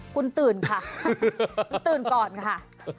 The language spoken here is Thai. คุณตื่นค่ะคุณตื่นก่อนค่ะ